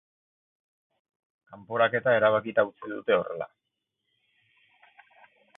Kanporaketa erabakita utzi dute horrela.